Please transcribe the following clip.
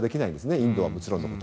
インドはもちろんのこと。